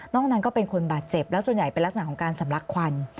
นั้นก็เป็นคนบาดเจ็บแล้วส่วนใหญ่เป็นลักษณะของการสำลักควัน